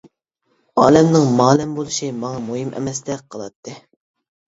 ئالەمنىڭ مالەم بولۇشى ماڭا مۇھىم ئەمەستەك قىلاتتى.